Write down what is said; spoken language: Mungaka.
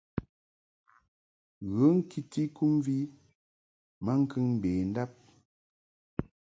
Ghə ŋkiti kɨmvi maŋkəŋ mbendab.